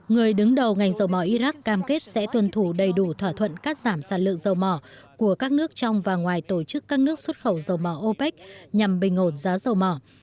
người đứng đầu ngành dầu mỏ iraq cam kết sẽ tuân thủ đầy đủ thỏa thuận cắt giảm sản lượng dầu mỏ của các nước trong và ngoài tổ chức các nước xuất khẩu dầu mỏ opec nhằm bình ổn giá dầu mỏ